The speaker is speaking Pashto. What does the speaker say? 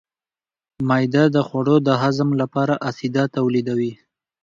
معده د خوړو د هضم لپاره اسید تولیدوي.